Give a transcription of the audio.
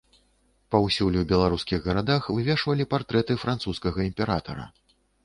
Паўсюль у беларускіх гарадах вывешвалі партрэты французскага імператара.